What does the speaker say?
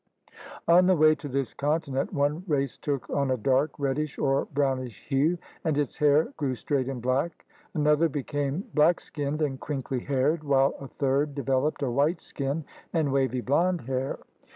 On the way to this continent one race took on a dark reddish or brownish hue and its hair grew straight and black; another became black skinned and crinkly haired, while a third developed a white skin and wavy blonde hair.